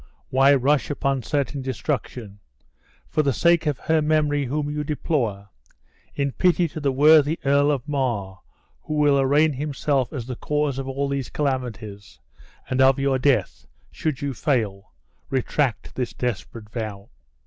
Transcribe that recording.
Why rush upon certain destruction? For the sake of her memory whom you deplore; in pity to the worthy Earl of Mar, who will arraign himself as the cause of all these calamities, and of your death, should you fall, retract this desperate vow!"